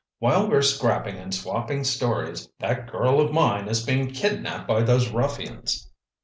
"While we're scrapping and swapping stories, that girl of mine is being kidnapped by those ruffians!"